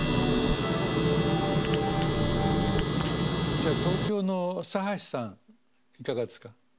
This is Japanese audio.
じゃあ東京のさはしさんいかがですか？